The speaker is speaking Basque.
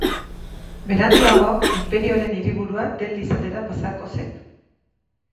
Beranduago, inperioaren hiriburua Delhi izatera pasako zen.